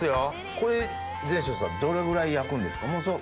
これ膳所さんどれぐらい焼くんですか？